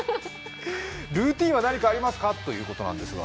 ルーティンは何かありますかということですが。